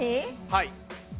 はい。